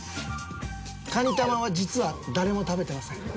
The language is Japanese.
カニ玉は実は誰も食べてません。